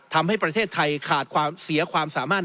ทำให้ประเทศไทยเสียความสามารถ